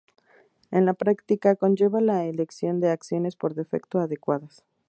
En la práctica, conlleva la elección de acciones por defecto adecuadas.